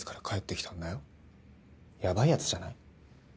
やばいヤツじゃない？